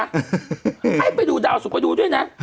ให้ไปดูดาวสุกดูด้วยนะ